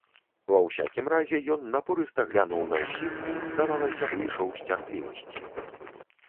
Ва ўсякім разе, ён напорыста глянуў на ўсіх і, здавалася, выйшаў з цярплівасці.